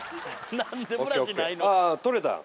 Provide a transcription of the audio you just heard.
何でブラシないの？